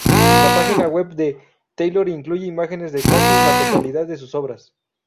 La página web de Taylor incluye imágenes de casi la totalidad de sus obras.